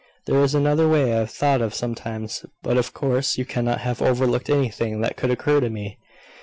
There is another way I have thought of sometimes; but, of course, you cannot have overlooked anything that could occur to me.